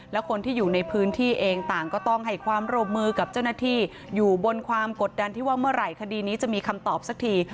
แล้วคนที่อยู่ในพื้นที่เองต่างก็ต้องให้ความร่วมมือกับเจ้าหน้าที่อยู่บนความกดดันที่ว่าเมื่อไหร่คดีนี้จะมีคำตอบสักที